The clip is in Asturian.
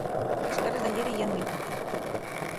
Les guerres d'ayeri yá nun importen.